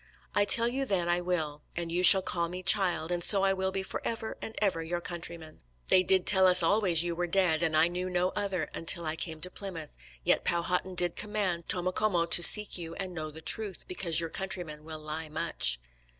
I tell you then I will, and you shall call me child, and so I will be forever and ever your countryman. They did tell us always you were dead, and I knew no other until I came to Plymouth; yet Powhatan did command Tomocomo to seek you and know the truth, because your countrymen will lie much."